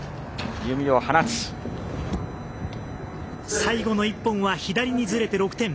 最後の１本は左にずれて６点。